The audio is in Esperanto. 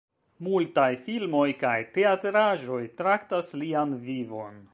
Multaj filmoj kaj teatraĵoj traktas lian vivon.